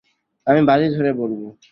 আমি বাজি ধরে বলবো।